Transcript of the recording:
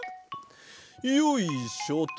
よいしょと。